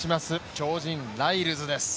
超人ライルズです。